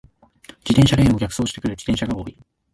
自転車レーンを逆走してくる自転車が多い。